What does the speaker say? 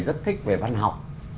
rất thích về văn học